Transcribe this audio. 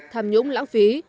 tham nhũng lãng phí